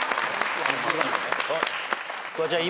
フワちゃん